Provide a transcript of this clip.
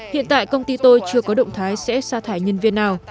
hiện tại công ty tôi chưa có động thái sẽ xa thải nhân viên nào